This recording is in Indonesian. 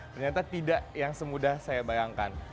ternyata tidak yang semudah saya bayangkan